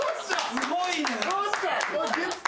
すごいね。